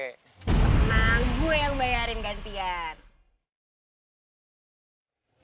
emang gue yang bayarin gantian